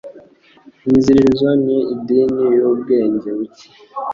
Imiziririzo ni idini yubwenge buke.